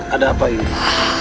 ada apa ini